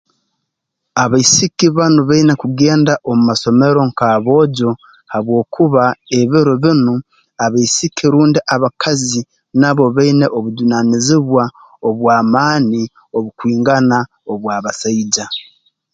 Abaisiki banu baina kugenda omu masomero nk'aboojo habwokuba ebiro binu abaisiki rundi abakazi nabo baina obujunaanizibwa obw'amaani obukwingana obw'abasaija